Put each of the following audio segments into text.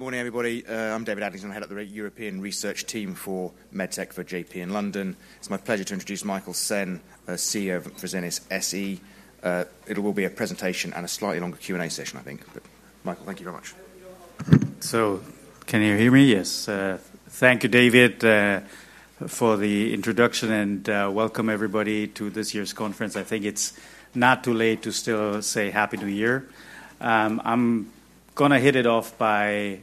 Good morning, everybody. I'm David Adlington, head of the European Research Team for MedTech for J.P. Morgan in London. It's my pleasure to introduce Michael Sen, CEO of Fresenius SE. It will be a presentation and a slightly longer Q&A session, I think. But Michael, thank you very much. So can you hear me? Yes. Thank you, David, for the introduction. And welcome, everybody, to this year's conference. I think it's not too late to still say happy new year. I'm going to hit it off by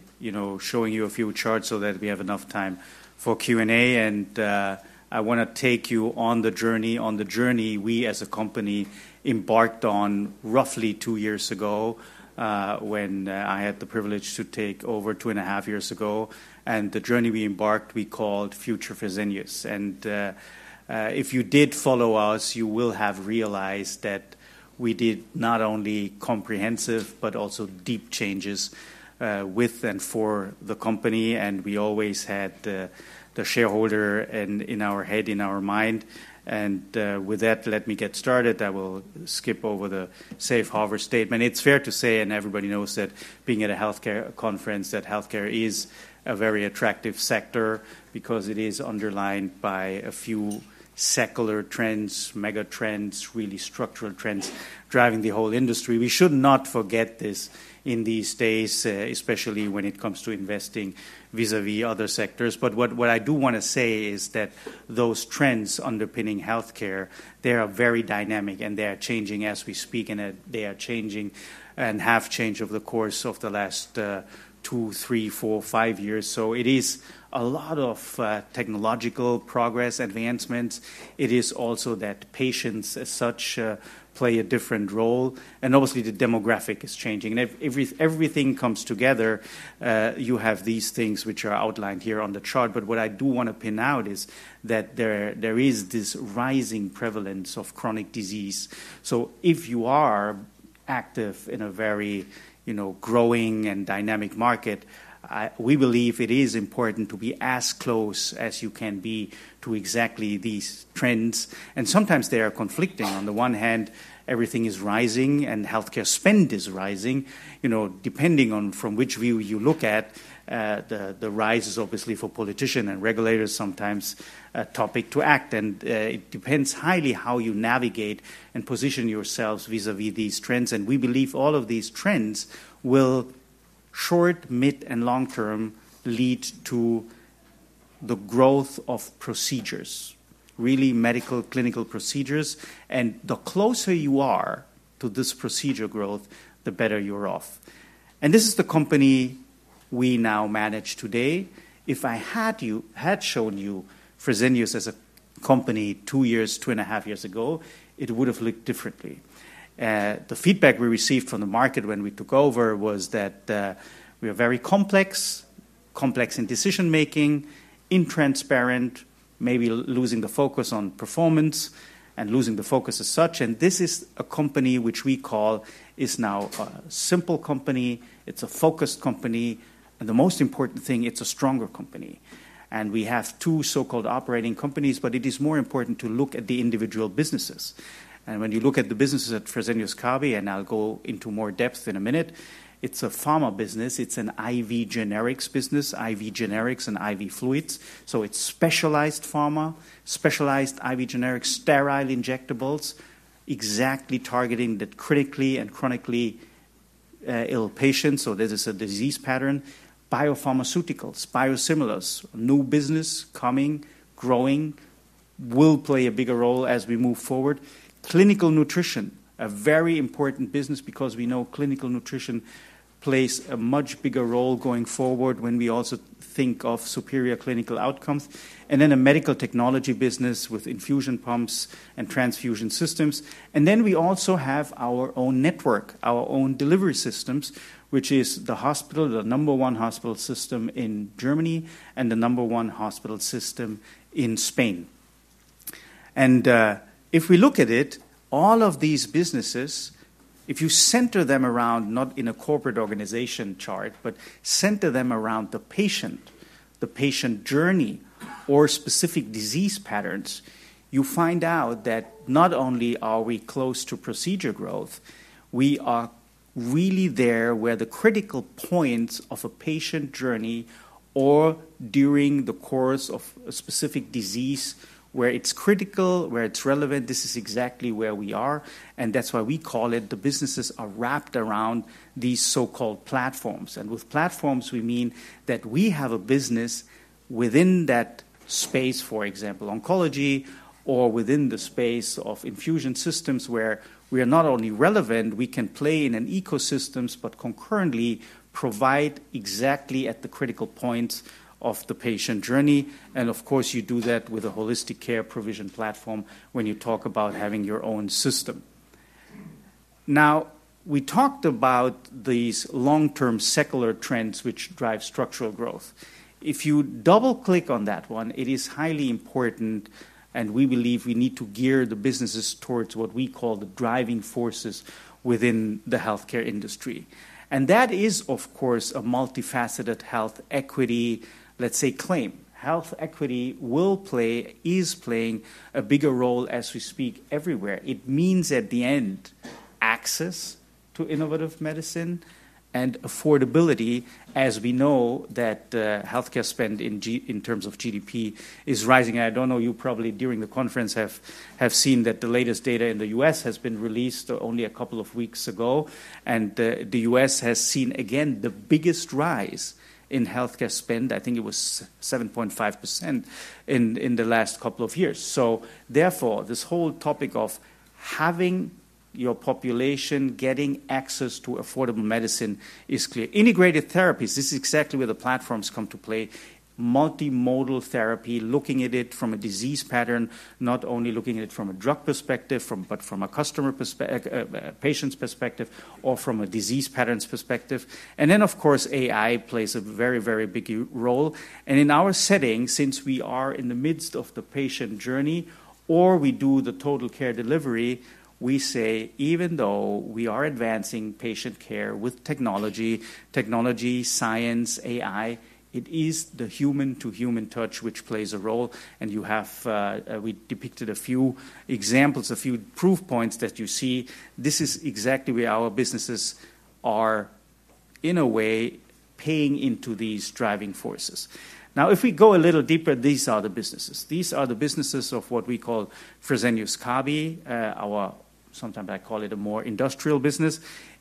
showing you a few charts so that we have enough time for Q&A. And I want to take you on the journey we as a company embarked on roughly two years ago when I had the privilege to take over two and a half years ago. And the journey we embarked, we called Future Fresenius. And if you did follow us, you will have realized that we did not only comprehensive but also deep changes with and for the company. And we always had the shareholder in our head, in our mind. And with that, let me get started. I will skip over the Safe Harbor statement. It's fair to say, and everybody knows that being at a health care conference, that health care is a very attractive sector because it is underlined by a few secular trends, mega trends, really structural trends driving the whole industry. We should not forget this in these days, especially when it comes to investing vis-à-vis other sectors. But what I do want to say is that those trends underpinning health care, they are very dynamic. And they are changing as we speak. And they are changing and have changed over the course of the last two, three, four, five years. So it is a lot of technological progress, advancements. It is also that patients as such play a different role. And obviously, the demographic is changing. And everything comes together. You have these things which are outlined here on the chart. But what I do want to point out is that there is this rising prevalence of chronic disease. So if you are active in a very growing and dynamic market, we believe it is important to be as close as you can be to exactly these trends. And sometimes they are conflicting. On the one hand, everything is rising. And health care spend is rising. Depending on from which view you look at, the rise is obviously for politicians and regulators sometimes a topic to act. And it depends highly how you navigate and position yourselves vis-à-vis these trends. And we believe all of these trends will, short, mid, and long term, lead to the growth of procedures, really medical clinical procedures. And the closer you are to this procedure growth, the better you're off. And this is the company we now manage today. If I had shown you Fresenius as a company two years, two and a half years ago, it would have looked differently. The feedback we received from the market when we took over was that we are very complex, complex in decision making, intransparent, maybe losing the focus on performance and losing the focus as such. And this is a company which we call is now a simple company. It's a focused company. And the most important thing, it's a stronger company. And we have two so-called operating companies. But it is more important to look at the individual businesses. And when you look at the businesses at Fresenius Kabi, and I'll go into more depth in a minute, it's a pharma business. It's an IV generics business, IV generics and IV fluids. So it's specialized pharma, specialized IV generics, sterile injectables, exactly targeting the critically and chronically ill patients. This is a disease pattern. Biopharmaceuticals, biosimilars, new business coming, growing, will play a bigger role as we move forward. Clinical nutrition, a very important business because we know clinical nutrition plays a much bigger role going forward when we also think of superior clinical outcomes. Then a medical technology business with infusion pumps and transfusion systems. Then we also have our own network, our own delivery systems, which is the hospital, the number one hospital system in Germany and the number one hospital system in Spain. And if we look at it, all of these businesses, if you center them around not in a corporate organization chart, but center them around the patient, the patient journey, or specific disease patterns, you find out that not only are we close to procedure growth, we are really there where the critical points of a patient journey or during the course of a specific disease where it's critical, where it's relevant, this is exactly where we are. And that's why we call it the businesses are wrapped around these so-called platforms. And with platforms, we mean that we have a business within that space, for example, oncology or within the space of infusion systems where we are not only relevant, we can play in an ecosystem, but concurrently provide exactly at the critical points of the patient journey. Of course, you do that with a holistic care provision platform when you talk about having your own system. Now, we talked about these long-term secular trends which drive structural growth. If you double-click on that one, it is highly important. We believe we need to gear the businesses towards what we call the driving forces within the health care industry. That is, of course, a multifaceted health equity, let's say, claim. Health equity will play, is playing a bigger role as we speak everywhere. It means at the end, access to innovative medicine and affordability, as we know that health care spend in terms of GDP is rising. I don't know, you probably during the conference have seen that the latest data in the U.S. has been released only a couple of weeks ago. And the U.S. has seen, again, the biggest rise in health care spend. I think it was 7.5% in the last couple of years. So therefore, this whole topic of having your population getting access to affordable medicine is clear. Integrated therapies, this is exactly where the platforms come to play. Multimodal therapy, looking at it from a disease pattern, not only looking at it from a drug perspective, but from a customer perspective, patient's perspective, or from a disease pattern's perspective. And then, of course, AI plays a very, very big role. And in our setting, since we are in the midst of the patient journey or we do the total care delivery, we say, even though we are advancing patient care with technology, technology, science, AI, it is the human-to-human touch which plays a role. And we depicted a few examples, a few proof points that you see. This is exactly where our businesses are, in a way, paying into these driving forces. Now, if we go a little deeper, these are the businesses. These are the businesses of what we call Fresenius Kabi. Sometimes I call it a more industrial business.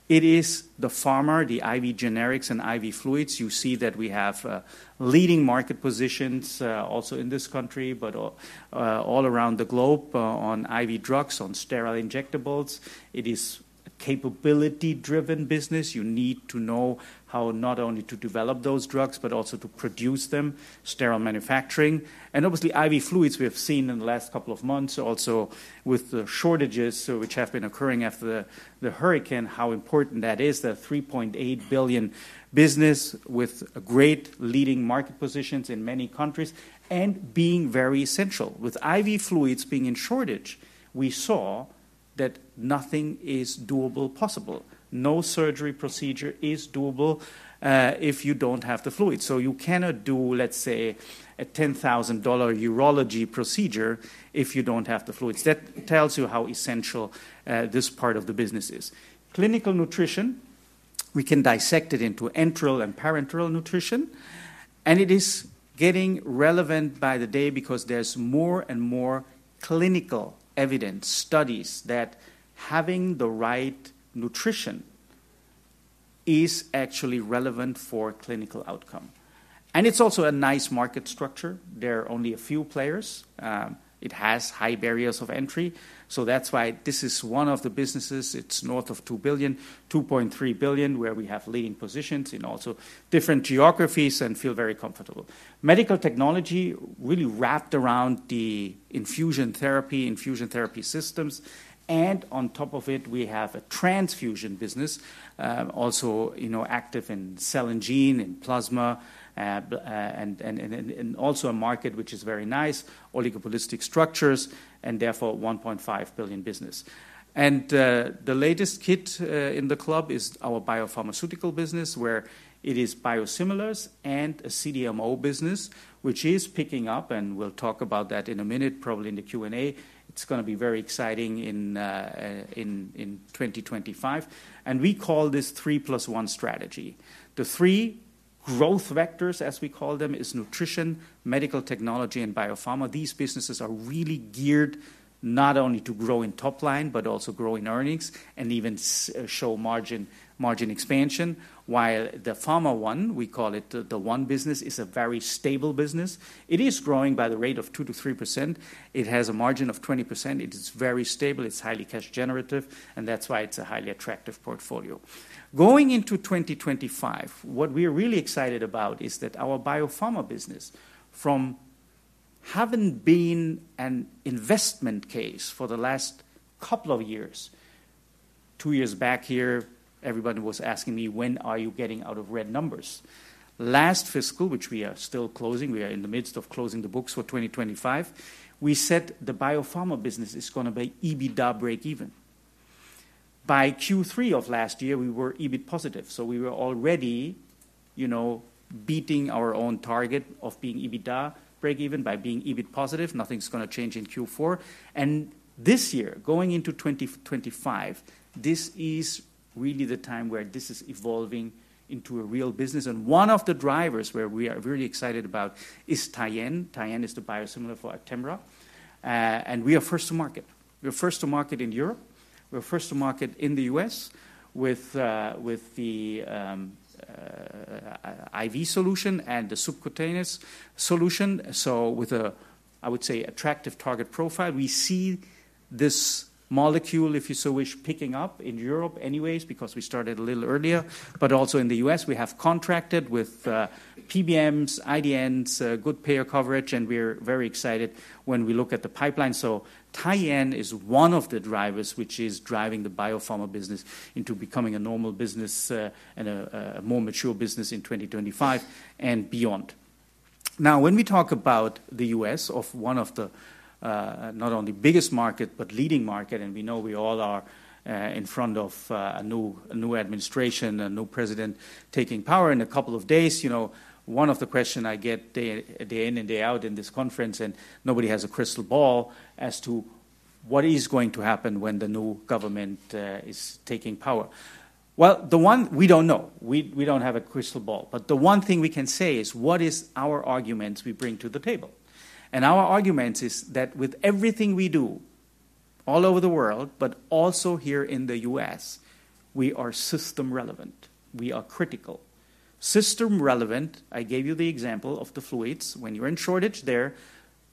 It is the pharma, the IV generics and IV fluids. You see that we have leading market positions also in this country, but all around the globe on IV drugs, on sterile injectables. It is a capability-driven business. You need to know how not only to develop those drugs, but also to produce them, sterile manufacturing. And obviously, IV fluids, we have seen in the last couple of months, also with the shortages which have been occurring after the hurricane, how important that is. The 3.8 billion business with great leading market positions in many countries and being very essential. With IV fluids being in shortage, we saw that nothing is possible. No surgical procedure is doable if you don't have the fluids. So you cannot do, let's say, a $10,000 urology procedure if you don't have the fluids. That tells you how essential this part of the business is. Clinical nutrition, we can dissect it into enteral and parenteral nutrition. And it is getting relevant by the day because there's more and more clinical evidence, studies that having the right nutrition is actually relevant for clinical outcome. And it's also a nice market structure. There are only a few players. It has high barriers of entry. So that's why this is one of the businesses. It's north of 2 billion, 2.3 billion, where we have leading positions in also different geographies and feel very comfortable. Medical technology really wrapped around the infusion therapy, infusion therapy systems. And on top of it, we have a transfusion business, also active in cell and gene and plasma, and also a market which is very nice, oligopolistic structures, and therefore a 1.5 billion business. And the latest kid in the club is our biopharmaceutical business, where it is biosimilars and a CDMO business, which is picking up, and we'll talk about that in a minute, probably in the Q&A. It's going to be very exciting in 2025. And we call this three plus one strategy. The three growth vectors, as we call them, is nutrition, medical technology, and biopharma. These businesses are really geared not only to grow in top line, but also grow in earnings and even show margin expansion. While the pharma one, we call it the one business, is a very stable business. It is growing by the rate of 2%-3%. It has a margin of 20%. It is very stable. It's highly cash generative, and that's why it's a highly attractive portfolio. Going into 2025, what we are really excited about is that our biopharma business, from having been an investment case for the last couple of years, two years back here, everybody was asking me, when are you getting out of red numbers? Last fiscal, which we are still closing, we are in the midst of closing the books for 2025, we said the biopharma business is going to be EBITDA break even. By Q3 of last year, we were EBIT positive, so we were already beating our own target of being EBITDA break even by being EBIT positive. Nothing's going to change in Q4, and this year, going into 2025, this is really the time where this is evolving into a real business. One of the drivers where we are really excited about is Tyenne. Tyenne is the biosimilar for Actemra. We are first to market. We are first to market in Europe. We are first to market in the U.S. with the IV solution and the subcutaneous solution. So with a, I would say, attractive target profile, we see this molecule, if you so wish, picking up in Europe anyways because we started a little earlier. But also in the U.S., we have contracted with PBMs, IDNs, good payer coverage. We are very excited when we look at the pipeline. So Tyenne is one of the drivers which is driving the biopharma business into becoming a normal business and a more mature business in 2025 and beyond. Now, when we talk about the U.S., one of the not only biggest markets, but leading markets, and we know we all are in front of a new administration, a new president taking power in a couple of days, one of the questions I get day in and day out in this conference, and nobody has a crystal ball as to what is going to happen when the new government is taking power, well, the one we don't know. We don't have a crystal ball, but the one thing we can say is, what is our arguments we bring to the table, and our argument is that with everything we do all over the world, but also here in the U.S., we are system relevant. We are critical. System relevant, I gave you the example of the fluids. When you're in shortage there,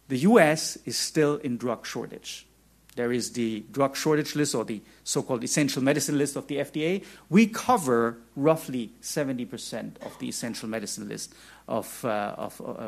the U.S. is still in drug shortage. There is the drug shortage list or the so-called essential medicine list of the FDA. We cover roughly 70% of the essential medicine list of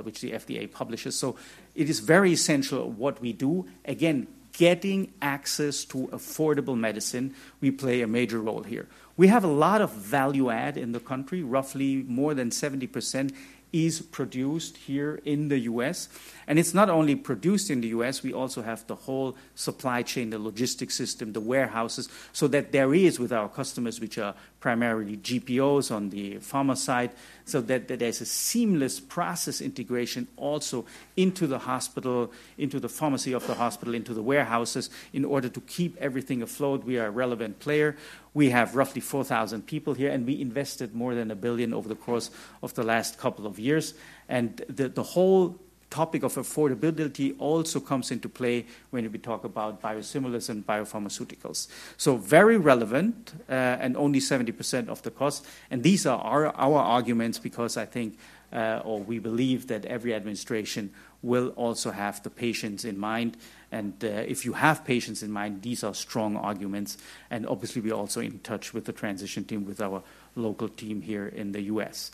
which the FDA publishes. So it is very essential what we do. Again, getting access to affordable medicine, we play a major role here. We have a lot of value add in the country. Roughly more than 70% is produced here in the U.S., and it's not only produced in the U.S. We also have the whole supply chain, the logistics system, the warehouses. So that there is with our customers, which are primarily GPOs on the pharma side, so that there's a seamless process integration also into the hospital, into the pharmacy of the hospital, into the warehouses in order to keep everything afloat. We are a relevant player. We have roughly 4,000 people here, and we invested more than $1 billion over the course of the last couple of years, and the whole topic of affordability also comes into play when we talk about biosimilars and biopharmaceuticals, so very relevant and only 70% of the cost, and these are our arguments because I think, or we believe that every administration will also have the patients in mind, and if you have patients in mind, these are strong arguments, and obviously, we are also in touch with the transition team with our local team here in the U.S.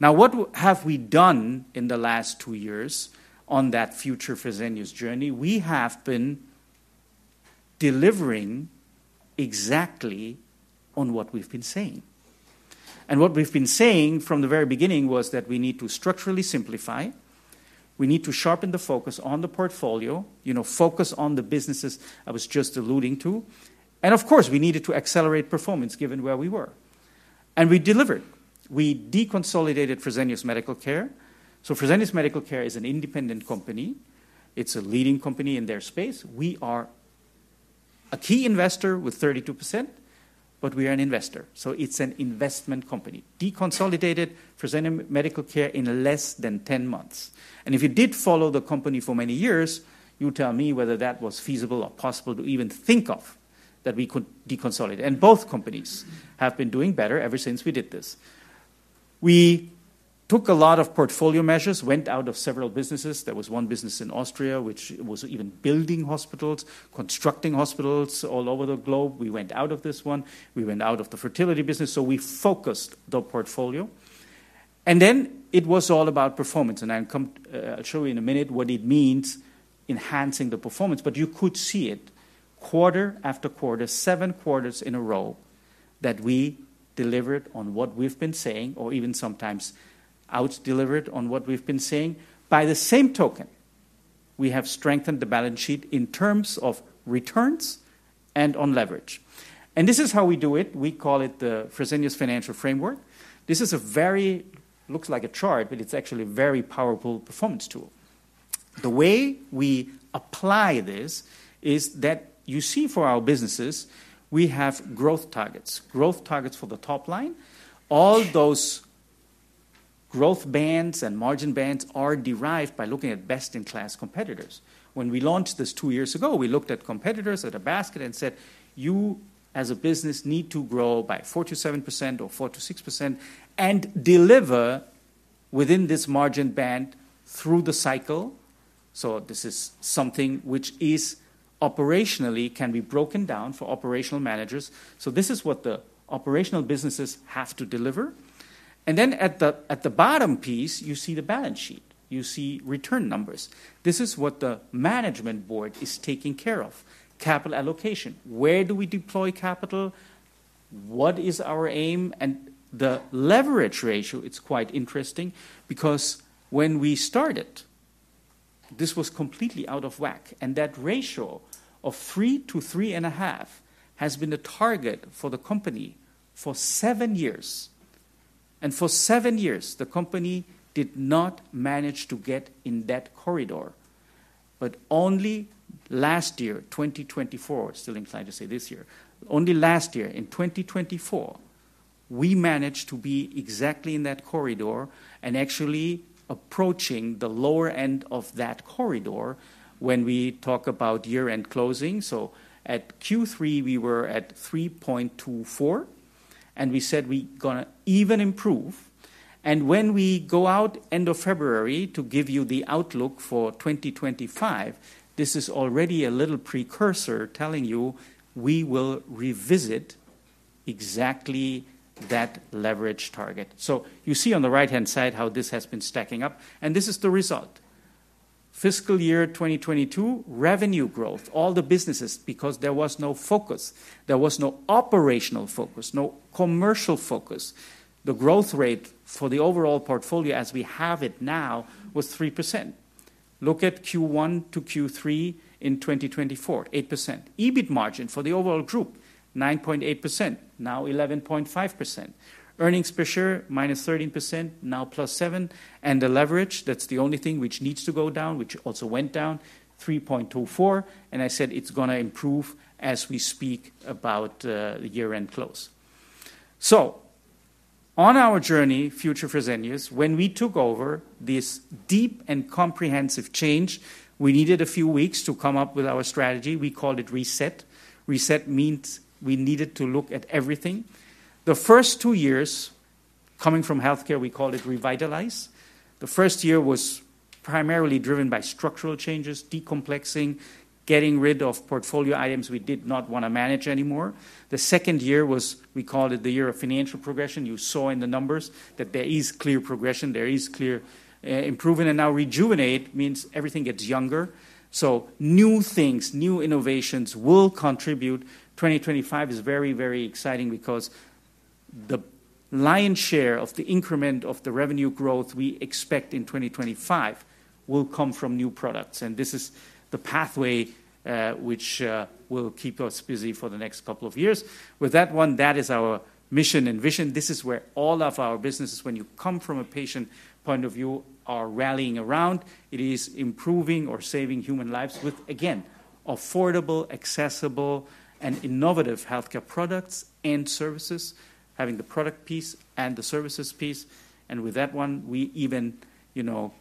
Now, what have we done in the last two years on that Future Fresenius journey? We have been delivering exactly on what we've been saying, and what we've been saying from the very beginning was that we need to structurally simplify. We need to sharpen the focus on the portfolio, focus on the businesses I was just alluding to. And of course, we needed to accelerate performance given where we were. And we delivered. We deconsolidated Fresenius Medical Care. So Fresenius Medical Care is an independent company. It's a leading company in their space. We are a key investor with 32%, but we are an investor. So it's an investment company. Deconsolidated Fresenius Medical Care in less than 10 months. And if you did follow the company for many years, you tell me whether that was feasible or possible to even think of that we could deconsolidate. And both companies have been doing better ever since we did this. We took a lot of portfolio measures, went out of several businesses. There was one business in Austria which was even building hospitals, constructing hospitals all over the globe. We went out of this one. We went out of the fertility business, so we focused the portfolio, and then it was all about performance, and I'll show you in a minute what it means enhancing the performance. But you could see it quarter after quarter, seven quarters in a row that we delivered on what we've been saying, or even sometimes outdelivered on what we've been saying. By the same token, we have strengthened the balance sheet in terms of returns and on leverage, and this is how we do it. We call it the Fresenius Financial Framework. This very much looks like a chart, but it's actually a very powerful performance tool. The way we apply this is that you see for our businesses, we have growth targets, growth targets for the top line. All those growth bands and margin bands are derived by looking at best-in-class competitors. When we launched this two years ago, we looked at competitors at a basket and said, you as a business need to grow by 4%-7% or 4%-6% and deliver within this margin band through the cycle. So this is something which operationally can be broken down for operational managers. So this is what the operational businesses have to deliver. And then at the bottom piece, you see the balance sheet. You see return numbers. This is what the management board is taking care of, capital allocation. Where do we deploy capital? What is our aim? And the leverage ratio, it's quite interesting because when we started, this was completely out of whack. And that ratio of 3%-3.5% has been a target for the company for seven years. For seven years, the company did not manage to get in that corridor. Only last year, 2024, still inclined to say this year, only last year in 2024, we managed to be exactly in that corridor and actually approaching the lower end of that corridor when we talk about year-end closing. At Q3, we were at 3.24. We said we're going to even improve. When we go out end of February to give you the outlook for 2025, this is already a little precursor telling you we will revisit exactly that leverage target. You see on the right-hand side how this has been stacking up. This is the result. Fiscal year 2022, revenue growth, all the businesses, because there was no focus, there was no operational focus, no commercial focus. The growth rate for the overall portfolio as we have it now was 3%. Look at Q1 to Q3 in 2024, 8%. EBIT margin for the overall group, 9.8%, now 11.5%. Earnings per share, minus 13%, now plus 7%. And the leverage, that's the only thing which needs to go down, which also went down, 3.24. And I said it's going to improve as we speak about the year-end close. So on our journey, Future Fresenius, when we took over this deep and comprehensive change, we needed a few weeks to come up with our strategy. We called it Reset. Reset means we needed to look at everything. The first two years coming from healthcare, we called it Revitalize. The first year was primarily driven by structural changes, decomplexing, getting rid of portfolio items we did not want to manage anymore. The second year was. We called it the year of financial progression. You saw in the numbers that there is clear progression, there is clear improvement, and now Rejuvenate means everything gets younger, so new things, new innovations will contribute. 2025 is very, very exciting because the lion's share of the increment of the revenue growth we expect in 2025 will come from new products, and this is the pathway which will keep us busy for the next couple of years. With that one, that is our mission and vision. This is where all of our businesses, when you come from a patient point of view, are rallying around. It is improving or saving human lives with, again, affordable, accessible, and innovative healthcare products and services, having the product piece and the services piece, and with that one, we even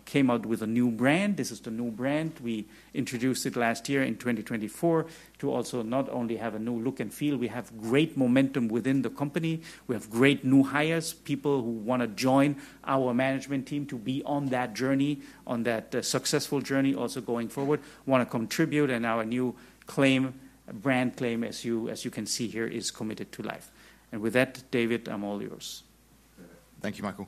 came out with a new brand. This is the new brand. We introduced it last year in 2024 to also not only have a new look and feel. We have great momentum within the company. We have great new hires, people who want to join our management team to be on that journey, on that successful journey also going forward, want to contribute. Our new claim, brand claim, as you can see here, is Committed to Life. With that, David, I'm all yours. Thank you, Michael.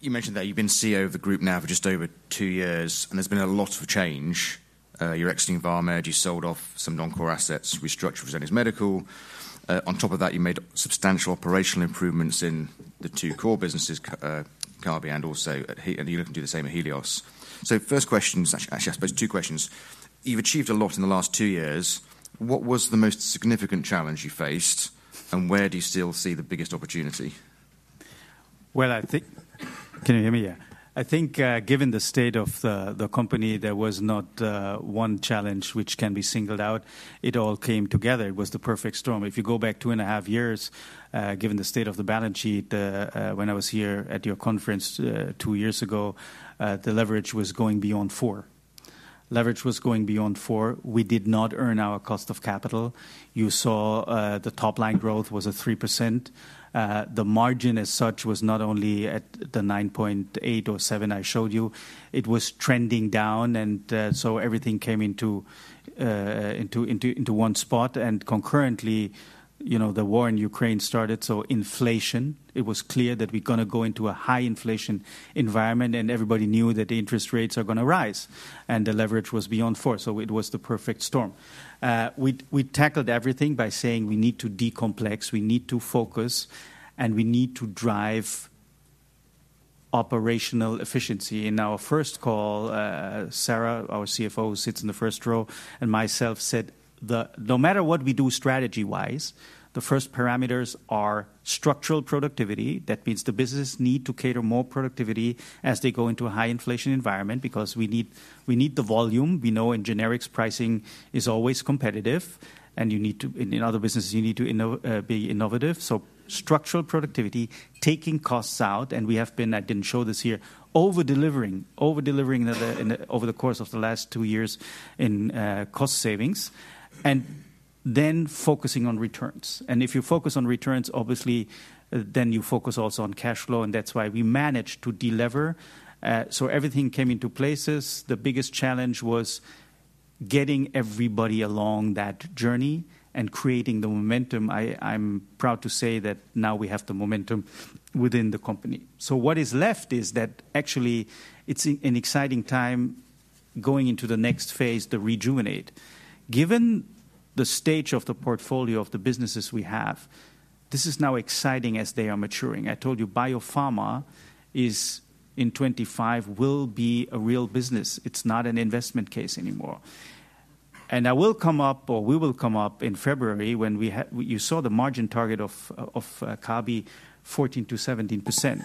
You mentioned that you've been CEO of the group now for just over two years. There's been a lot of change. You're exiting Vamed. You sold off some non-core assets, restructured Fresenius Medical. On top of that, you made substantial operational improvements in the two core businesses, Kabi and also Helios. You're looking to do the same at Helios. First question, actually. I suppose two questions. You've achieved a lot in the last two years. What was the most significant challenge you faced? And where do you still see the biggest opportunity? Can you hear me? Yeah. I think given the state of the company, there was not one challenge which can be singled out. It all came together. It was the perfect storm. If you go back two and a half years, given the state of the balance sheet, when I was here at your conference two years ago, the leverage was going beyond four. Leverage was going beyond four. We did not earn our cost of capital. You saw the top line growth was at 3%. The margin as such was not only at the 9.8% or 7% I showed you. It was trending down. And so everything came into one spot. And concurrently, the war in Ukraine started. So inflation, it was clear that we're going to go into a high inflation environment. And everybody knew that the interest rates are going to rise. And the leverage was beyond four. So it was the perfect storm. We tackled everything by saying we need to decomplex, we need to focus, and we need to drive operational efficiency. In our first call, Sara, our CFO, sits in the first row. And myself said, no matter what we do strategy-wise, the first parameters are structural productivity. That means the business need to cater more productivity as they go into a high inflation environment because we need the volume. We know in generics, pricing is always competitive. And in other businesses, you need to be innovative. So structural productivity, taking costs out. And we have been. I didn't show this here, overdelivering, overdelivering over the course of the last two years in cost savings, and then focusing on returns. And if you focus on returns, obviously, then you focus also on cash flow. And that's why we managed to deliver. So everything came into places. The biggest challenge was getting everybody along that journey and creating the momentum. I'm proud to say that now we have the momentum within the company. So what is left is that actually it's an exciting time going into the next phase, the Rejuvenate. Given the stage of the portfolio of the businesses we have, this is now exciting as they are maturing. I told you biopharma is in 2025 will be a real business. It's not an investment case anymore. I will come up, or we will come up in February when you saw the margin target of Kabi, 14%-17%.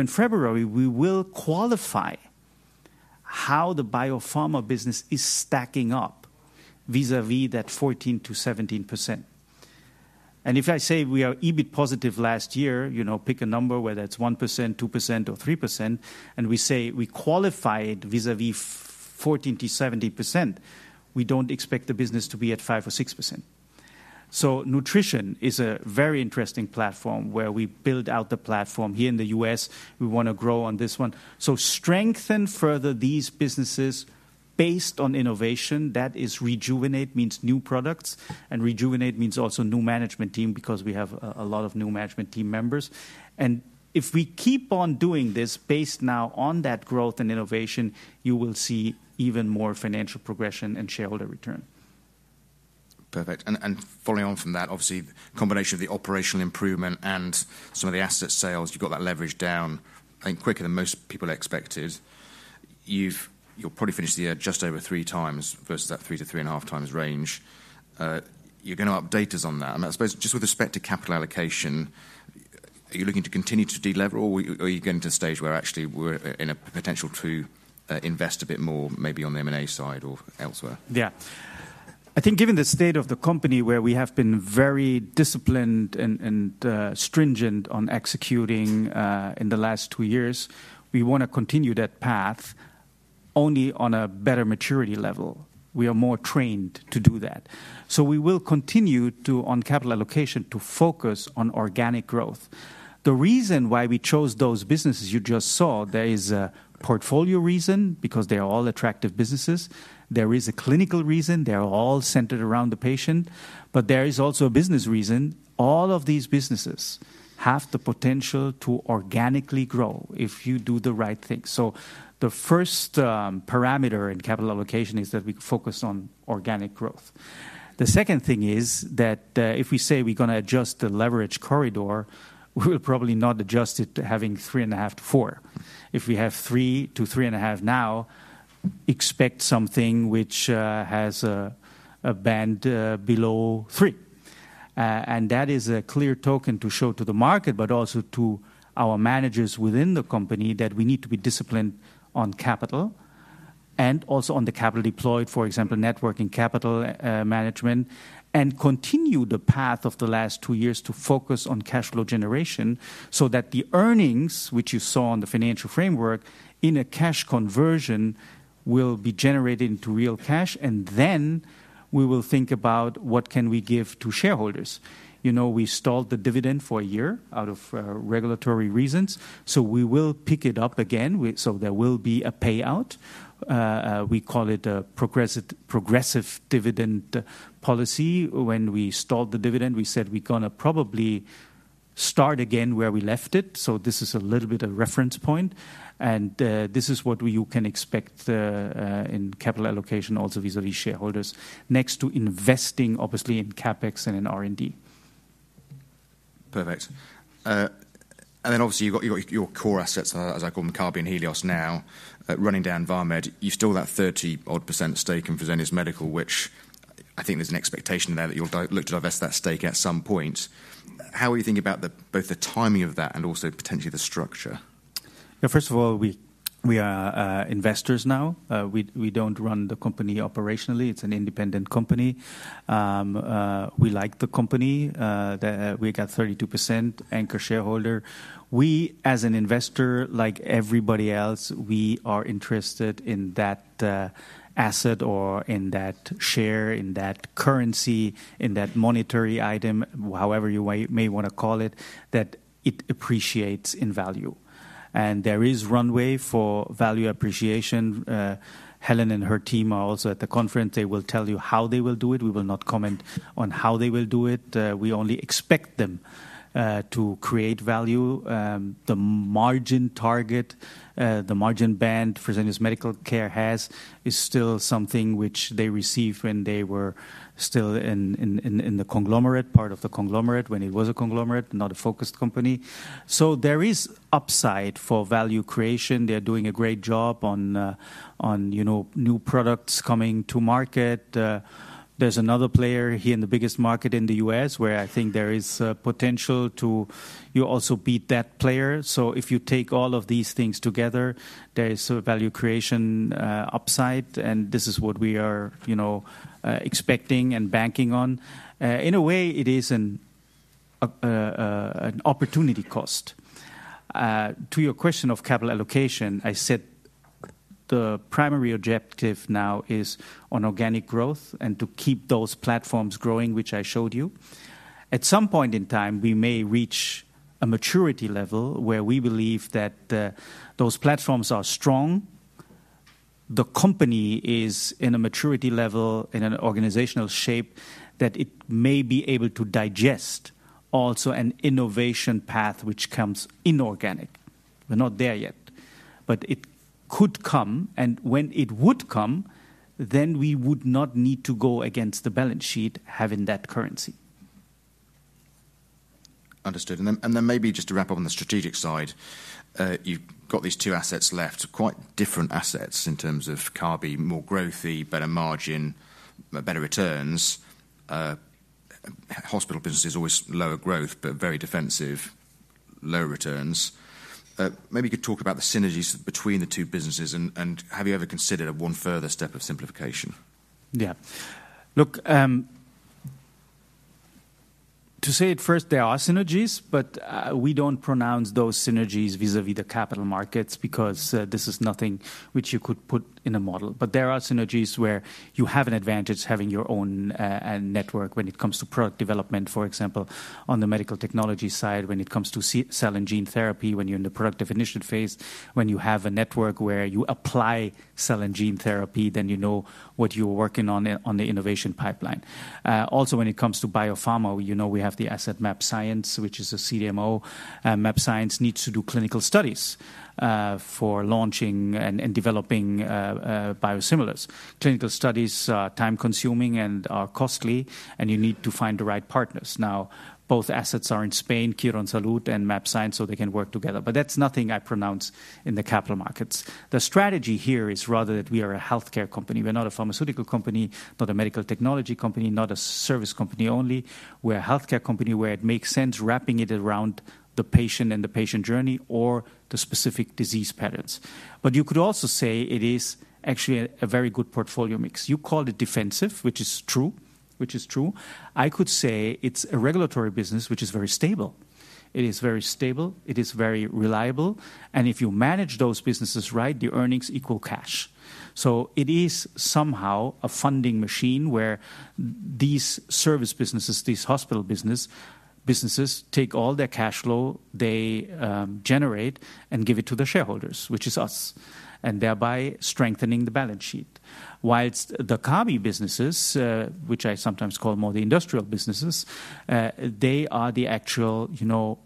In February, we will qualify how the biopharma business is stacking up vis-à-vis that 14%-17%. If I say we are EBIT positive last year, pick a number, whether it's 1%, 2%, or 3%, and we say we qualify it vis-à-vis 14%-17%, we don't expect the business to be at 5% or 6%. Nutrition is a very interesting platform where we build out the platform. Here in the U.S., we want to grow on this one. Strengthen further these businesses based on innovation. That is, rejuvenate means new products. Rejuvenate means also new management team because we have a lot of new management team members. If we keep on doing this based now on that growth and innovation, you will see even more financial progression and shareholder return. Perfect. Following on from that, obviously, the combination of the operational improvement and some of the asset sales, you've got that leverage down, I think, quicker than most people expected. You've probably finished the year just over three times versus that three to three and a half times range. You're going to update us on that. I suppose just with respect to capital allocation, are you looking to continue to deliver or are you getting to a stage where actually we're in a potential to invest a bit more maybe on the M&A side or elsewhere? Yeah. I think given the state of the company where we have been very disciplined and stringent on executing in the last two years, we want to continue that path only on a better maturity level. We are more trained to do that. So we will continue to, on capital allocation, to focus on organic growth. The reason why we chose those businesses you just saw, there is a portfolio reason because they are all attractive businesses. There is a clinical reason. They are all centered around the patient. But there is also a business reason. All of these businesses have the potential to organically grow if you do the right thing. So the first parameter in capital allocation is that we focus on organic growth. The second thing is that if we say we're going to adjust the leverage corridor, we will probably not adjust it to having three and a half to four. If we have three to three and a half now, expect something which has a band below three, and that is a clear token to show to the market, but also to our managers within the company that we need to be disciplined on capital and also on the capital deployed, for example, net working capital management, and continue the path of the last two years to focus on cash flow generation so that the earnings, which you saw on the financial framework, in a cash conversion will be generated into real cash, and then we will think about what can we give to shareholders. We stalled the dividend for a year out of regulatory reasons. So we will pick it up again. So there will be a payout. We call it a progressive dividend policy. When we stalled the dividend, we said we're going to probably start again where we left it. So this is a little bit of reference point. And this is what you can expect in capital allocation also vis-à-vis shareholders next to investing, obviously, in CapEx and in R&D. Perfect. And then obviously, you've got your core assets, as I call them, Kabi and Helios now, running down Vamed. You've still got that 30-odd% stake in Fresenius Medical, which I think there's an expectation there that you'll look to divest that stake at some point. How are you thinking about both the timing of that and also potentially the structure? First of all, we are investors now. We don't run the company operationally. It's an independent company. We like the company. We got 32%, anchor shareholder. We, as an investor, like everybody else, we are interested in that asset or in that share, in that currency, in that monetary item, however you may want to call it, that it appreciates in value, and there is runway for value appreciation. Helen and her team are also at the conference. They will tell you how they will do it. We will not comment on how they will do it. We only expect them to create value. The margin target, the margin band Fresenius Medical Care has is still something which they received when they were still in the conglomerate, part of the conglomerate when it was a conglomerate, not a focused company, so there is upside for value creation. They're doing a great job on new products coming to market. There's another player here in the biggest market in the U.S. where I think there is potential to also beat that player, so if you take all of these things together, there is a value creation upside, and this is what we are expecting and banking on. In a way, it is an opportunity cost. To your question of capital allocation, I said the primary objective now is on organic growth and to keep those platforms growing, which I showed you. At some point in time, we may reach a maturity level where we believe that those platforms are strong. The company is in a maturity level in an organizational shape that it may be able to digest also an innovation path which comes inorganic. We're not there yet, but it could come. And when it would come, then we would not need to go against the balance sheet having that currency. Understood. And then maybe just to wrap up on the strategic side, you've got these two assets left, quite different assets in terms of Kabi, more growthy, better margin, better returns. Hospital business is always lower growth, but very defensive, lower returns. Maybe you could talk about the synergies between the two businesses and have you ever considered one further step of simplification? Yeah. Look, to say it first, there are synergies, but we don't pronounce those synergies vis-à-vis the capital markets because this is nothing which you could put in a model. But there are synergies where you have an advantage having your own network when it comes to product development, for example, on the medical technology side, when it comes to cell and gene therapy, when you're in the productive initiative phase, when you have a network where you apply cell and gene therapy, then you know what you're working on on the innovation pipeline. Also, when it comes to biopharma, we have the asset mAbxience, which is a CDMO. mAbxience needs to do clinical studies for launching and developing biosimilars. Clinical studies are time-consuming and are costly, and you need to find the right partners. Now, both assets are in Spain, Quirónsalud, and mAbxience, so they can work together. But that's nothing I announce in the capital markets. The strategy here is rather that we are a healthcare company. We're not a pharmaceutical company, not a medical technology company, not a service company only. We're a healthcare company where it makes sense wrapping it around the patient and the patient journey or the specific disease patterns. But you could also say it is actually a very good portfolio mix. You call it defensive, which is true, which is true. I could say it's a regulatory business, which is very stable. It is very stable. It is very reliable. And if you manage those businesses right, the earnings equal cash. So it is somehow a funding machine where these service businesses, these hospital businesses take all their cash flow they generate and give it to the shareholders, which is us, and thereby strengthening the balance sheet. While the Kabi businesses, which I sometimes call more the industrial businesses, they are the actual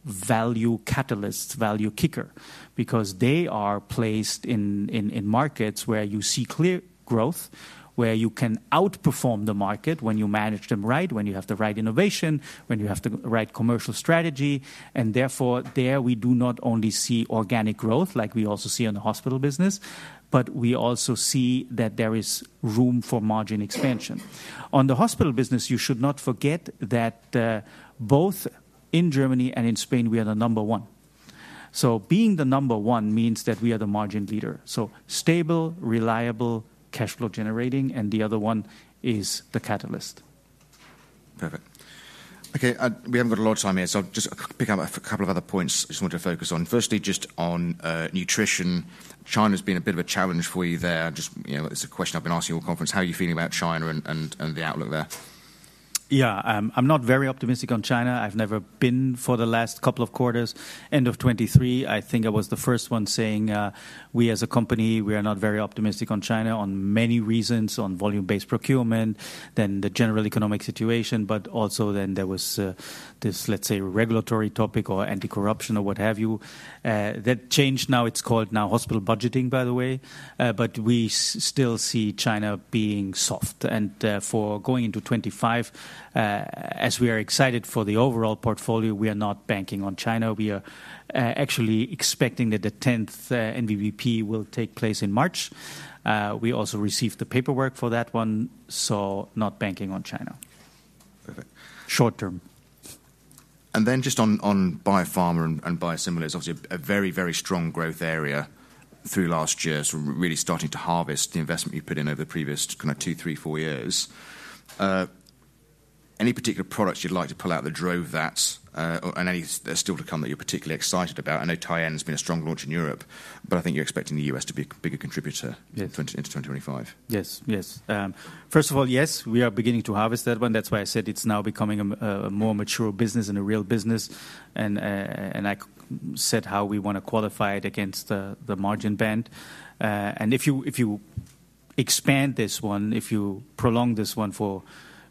value catalyst, value kicker, because they are placed in markets where you see clear growth, where you can outperform the market when you manage them right, when you have the right innovation, when you have the right commercial strategy. And therefore, there we do not only see organic growth like we also see in the hospital business, but we also see that there is room for margin expansion. On the hospital business, you should not forget that both in Germany and in Spain, we are the number one. So being the number one means that we are the margin leader. So stable, reliable, cash flow generating, and the other one is the catalyst. Perfect. Okay. We haven't got a lot of time here. So just pick up a couple of other points I just wanted to focus on. Firstly, just on nutrition, China has been a bit of a challenge for you there. It's a question I've been asking all conference, how are you feeling about China and the outlook there? Yeah. I'm not very optimistic on China. I've never been for the last couple of quarters, end of 2023. I think I was the first one saying we, as a company, we are not very optimistic on China on many reasons, on volume-based procurement, then the general economic situation, but also then there was this, let's say, regulatory topic or anti-corruption or what have you. That changed now. It's called now hospital budgeting, by the way. But we still see China being soft. And for going into 2025, as we are excited for the overall portfolio, we are not banking on China. We are actually expecting that the 10th NVBP will take place in March. We also received the paperwork for that one. So not banking on China short term. And then just on biopharma and biosimilars, obviously a very, very strong growth area through last year, so really starting to harvest the investment you put in over the previous kind of two, three, four years. Any particular products you'd like to pull out that drove that and any that are still to come that you're particularly excited about? I know Tyenne has been a strong launch in Europe, but I think you're expecting the U.S. to be a bigger contributor into 2025. Yes, yes. First of all, yes, we are beginning to harvest that one. That's why I said it's now becoming a more mature business and a real business. I said how we want to qualify it against the margin band. If you expand this one, if you prolong this one for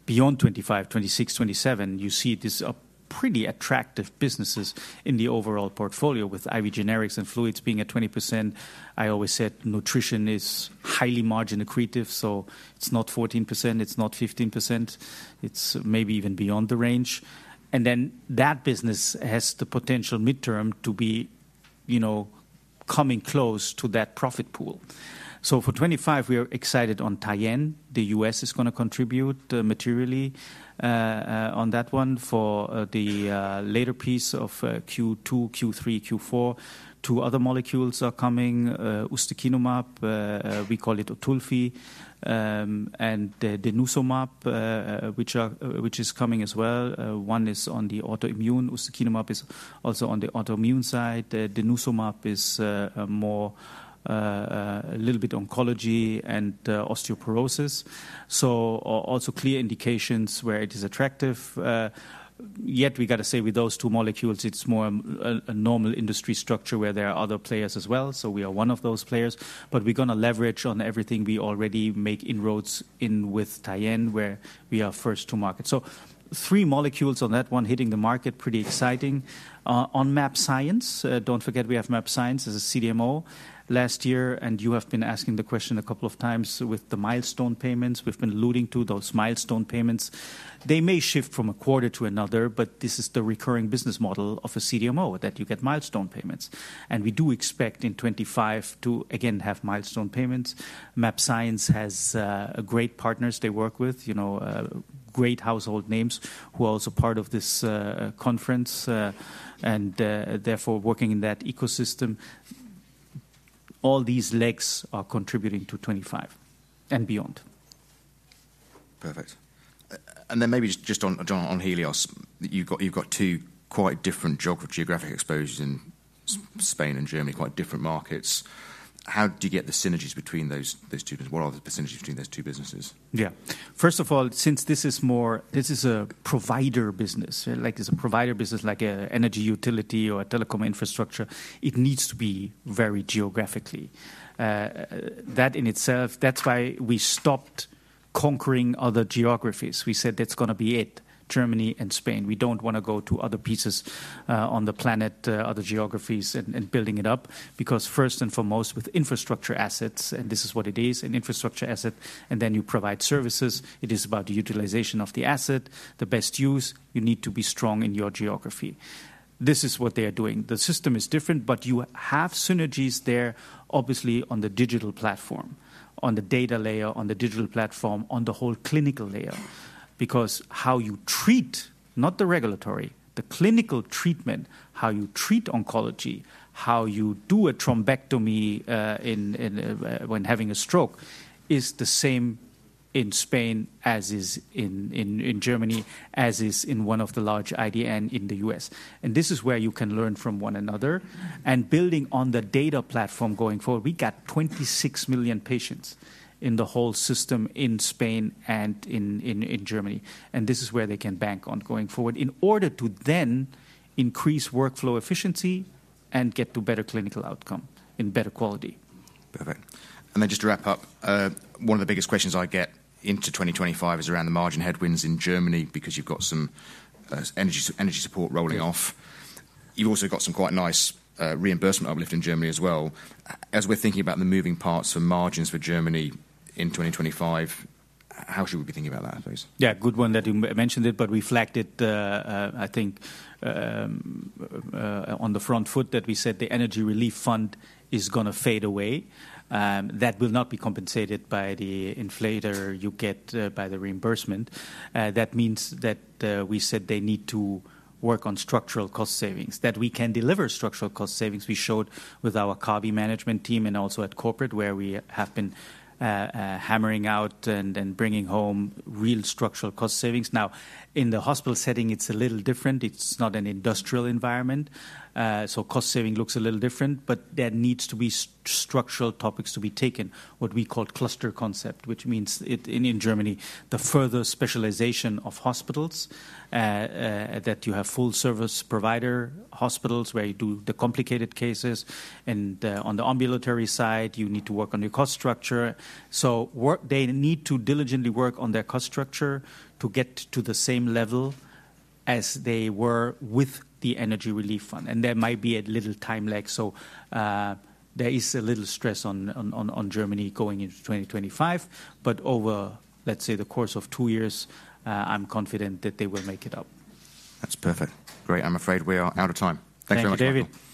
beyond 2025, 2026, 2027, you see these are pretty attractive businesses in the overall portfolio with IV generics and fluids being at 20%. I always said nutrition is highly margin accretive, so it's not 14%, it's not 15%. It's maybe even beyond the range. That business has the potential midterm to be coming close to that profit pool. For 2025, we are excited on Tyenne. The U.S. is going to contribute materially on that one for the later piece of Q2, Q3, Q4. Two other molecules are coming, ustekinumab, we call it Otulfi, and denosumab, which is coming as well. One is on the autoimmune. Ustekinumab is also on the autoimmune side. Denosumab is more a little bit oncology and osteoporosis. Also clear indications where it is attractive. Yet we got to say with those two molecules, it's more a normal industry structure where there are other players as well. So we are one of those players. But we're going to leverage on everything we already make inroads in with Tyenne where we are first to market. So three molecules on that one hitting the market, pretty exciting. On mAbxience, don't forget we have mAbxience as a CDMO last year. And you have been asking the question a couple of times with the milestone payments. We've been alluding to those milestone payments. They may shift from a quarter to another, but this is the recurring business model of a CDMO that you get milestone payments. And we do expect in 2025 to again have milestone payments. mAbxience has great partners they work with, great household names who are also part of this conference and therefore working in that ecosystem. All these legs are contributing to 2025 and beyond. Perfect. And then maybe just on Helios, you've got two quite different geographic exposures in Spain and Germany, quite different markets. How do you get the synergies between those two businesses? What are the synergies between those two businesses? Yeah. First of all, since this is a provider business, like it's a provider business, like an energy utility or a telecom infrastructure, it needs to be very geographically. That in itself, that's why we stopped conquering other geographies. We said that's going to be it, Germany and Spain. We don't want to go to other pieces on the planet, other geographies and building it up because first and foremost with infrastructure assets, and this is what it is, an infrastructure asset, and then you provide services. It is about the utilization of the asset, the best use. You need to be strong in your geography. This is what they are doing. The system is different, but you have synergies there, obviously, on the digital platform, on the data layer, on the digital platform, on the whole clinical layer, because how you treat, not the regulatory, the clinical treatment, how you treat oncology, how you do a thrombectomy when having a stroke is the same in Spain as is in Germany, as is in one of the large IDN in the U.S., and this is where you can learn from one another. And building on the data platform going forward, we got 26 million patients in the whole system in Spain and in Germany. And this is where they can bank on going forward in order to then increase workflow efficiency and get to better clinical outcome in better quality. Perfect. And then just to wrap up, one of the biggest questions I get into 2025 is around the margin headwinds in Germany because you've got some energy support rolling off. You've also got some quite nice reimbursement uplift in Germany as well. As we're thinking about the moving parts for margins for Germany in 2025, how should we be thinking about that, please? Yeah, good one that you mentioned it, but reflect it, I think, on the front foot that we said the Energy Relief Fund is going to fade away. That will not be compensated by the inflation you get by the reimbursement. That means that we said they need to work on structural cost savings, that we can deliver structural cost savings. We showed with our Kabi management team and also at corporate where we have been hammering out and bringing home real structural cost savings. Now, in the hospital setting, it's a little different. It's not an industrial environment. So cost saving looks a little different, but there needs to be structural topics to be taken, what we call cluster concept, which means in Germany, the further specialization of hospitals that you have full service provider hospitals where you do the complicated cases, and on the ambulatory side, you need to work on your cost structure. So they need to diligently work on their cost structure to get to the same level as they were with the Energy Relief Fund. And there might be a little time lag. So there is a little stress on Germany going into 2025. But over, let's say, the course of two years, I'm confident that they will make it up. That's perfect. Great. I'm afraid we are out of time. Thanks very much, David.